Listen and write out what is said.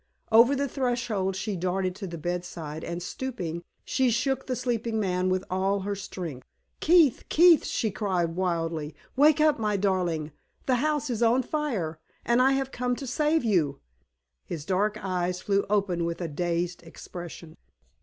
Over the threshold she darted to the bedside, and stooping, she shook the sleeping man with all her strength. "Keith! Keith!" she cried, wildly. "Wake up, my darling! The house is on fire, and I have come to save you!" His dark eyes flew open with a dazed expression.